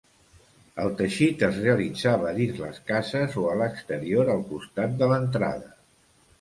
El teixit es realitzava dins les cases o a l’exterior al costat de l’entrada.